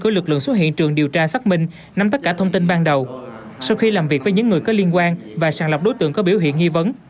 cử lực lượng xuống hiện trường điều tra xác minh nắm tất cả thông tin ban đầu sau khi làm việc với những người có liên quan và sàng lọc đối tượng có biểu hiện nghi vấn